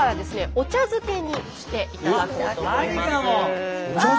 お茶漬けにして頂きたいと思います。